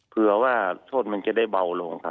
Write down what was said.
เผื่อว่าโทษมันจะได้เบาลงครับ